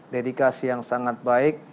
dedikasi yang sangat baik